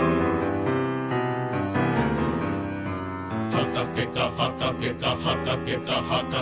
「はかけかはかけかはかけかはかけか」